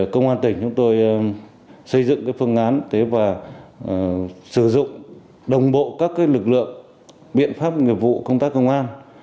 công an tỉnh chúng tôi xây dựng phương án và sử dụng đồng bộ các lực lượng biện pháp nghiệp vụ công tác công an